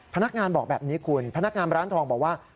พนักงานบอกแบบนี้คุณพนักงานร้านทองบอกว่า